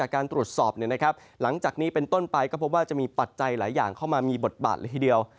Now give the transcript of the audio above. การตรวจสอบหลังจากนี้เป็นต้นไปก็พบว่าจะมีปัจจัยหลายอย่างเข้ามามีบทบาทเลยทีเดียว